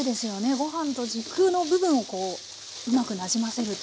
ご飯と軸の部分をこううまくなじませると。